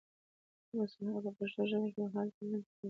وسمهال په پښتو ژبه کې و حال ته ويل کيږي